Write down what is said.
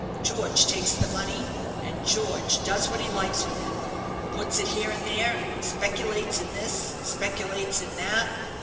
George takes the money, and George does what he likes with it puts it here and there, and speculates in this and speculates in that.